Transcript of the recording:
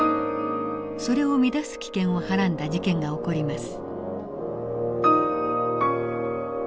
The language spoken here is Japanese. それを乱す危険をはらんだ事件が起こります。